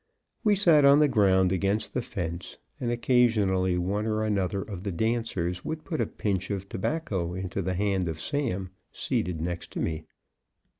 We sat on the ground against the fence, and occasionally one or another of the dancers would put a pinch of tobacco into the hand of Sam, seated next to me.